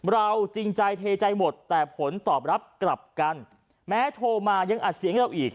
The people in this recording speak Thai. เราจริงใจเทใจหมดแต่ผลตอบรับกลับกันแม้โทรมายังอัดเสียงให้เราอีก